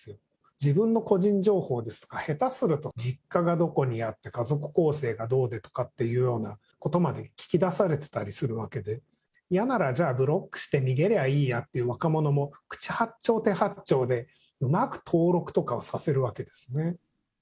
自分の個人情報ですから、下手すると実家がどこにあって、家族構成がどうでとかというようなことまで聞き出されてたりするわけで、嫌ならじゃあブロックして逃げればいいやっていう若者も口八丁手八丁で、うまく登録とかをさせるわけですね。